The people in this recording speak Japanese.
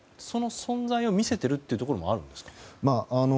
その存在を見せているところもあるんですか？